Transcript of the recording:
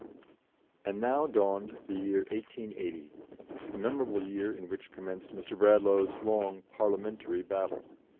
And now dawned the year 1880, the memorable year in which commenced Mr. Bradlaugh's long Parliamentary battle.